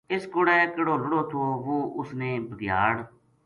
اِس کوڑے کہڑو لُڑو تھو وہ اــس نے بھگیاڑ